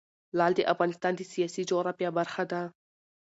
لعل د افغانستان د سیاسي جغرافیه برخه ده.